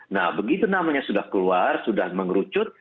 nah begitu namanya sudah keluar sudah mengerucut